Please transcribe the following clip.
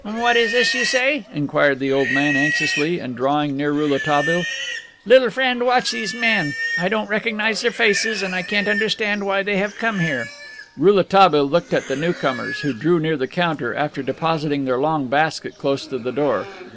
"What is this you say?" inquired the old man, anxiously, and drawing near Rouletabille. "Little friend, watch these men; I don't recognize their faces and I can't understand why they have come here." Rouletabille looked at the new comers, who drew near the counter, after depositing their long basket close to the door.